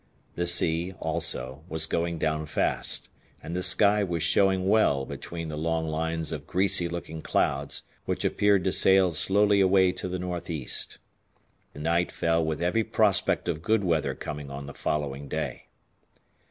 The sea, also, was going down fast, and the sky was showing well between the long lines of greasy looking clouds which appeared to sail slowly away to the northeast. The night fell with every prospect of good weather coming on the following day.